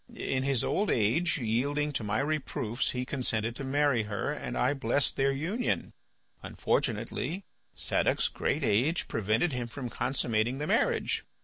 In his old age, yielding to my reproofs, he consented to marry her, and I blessed their union. Unfortunately Sadoc's great age prevented him from consummating the marriage.